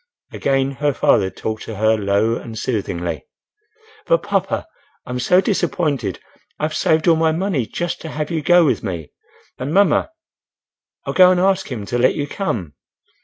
Again her father talked to her low and soothingly. "But papa—I'm so disappointed—I've saved all my money just to have you go with me. And mamma—I'll go and ask him to let you come."